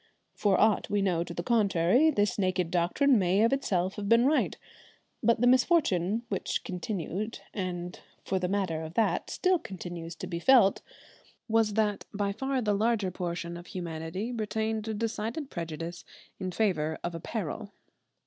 For aught we know to the contrary, this naked doctrine may of itself have been right, but the misfortune which continued, and for the matter of that still continues, to be felt, was that by far the larger portion of humanity retained a decided prejudice in favour of apparel.